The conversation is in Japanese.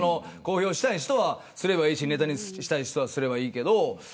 公表したい人はすればいいしネタにしたい人はすればいいけど。